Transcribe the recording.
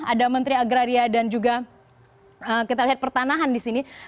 ada menteri agraria dan juga kita lihat pertanahan di sini